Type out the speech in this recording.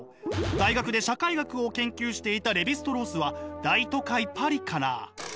大学で社会学を研究していたレヴィ＝ストロースは大都会パリから。